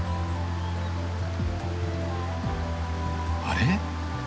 あれ？